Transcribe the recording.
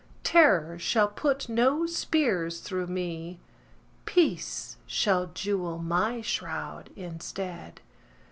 Terror shall put no spears through me. Peace shall jewel my shroud instead.